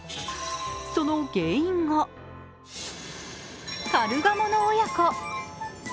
その原因が、カルガモの親子。